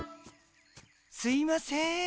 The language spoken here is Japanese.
すいません。